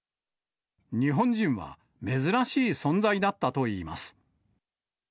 日本人は珍しい存在だったといいます。